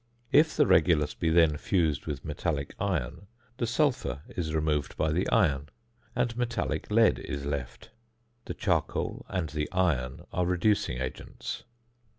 If the regulus be then fused with metallic iron the sulphur is removed by the iron, and metallic lead is left. The charcoal and the iron are reducing agents.